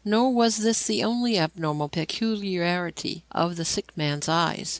Nor was this the only abnormal peculiarity of the sick man's eyes.